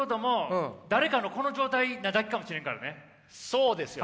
そうですよ。